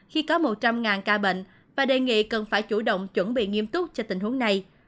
khi có một trăm linh ca bệnh và đề nghị cần phải chủ động chuẩn bị nghiêm túc cho tình huống này